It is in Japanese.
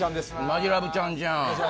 マヂラブちゃんじゃん